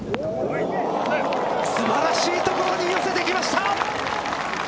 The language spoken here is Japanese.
素晴らしい所に寄せてきました。